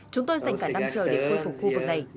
chúng tôi dành cả năm chờ để khôi phục khu vực này